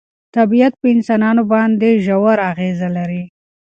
طبیعت په انسانانو باندې ژوره اغېزه لري.